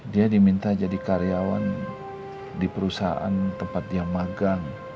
dia diminta jadi karyawan di perusahaan tempat dia magang